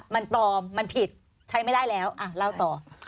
มันปลอมมันผิดใช้ไม่ได้แล้วเล่าต่อ